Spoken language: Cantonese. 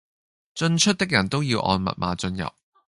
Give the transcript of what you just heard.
進出的人都要按密碼進入